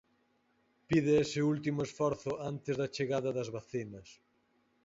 Pide ese último esforzo antes da chegada das vacinas.